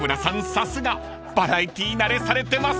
さすがバラエティー慣れされてます］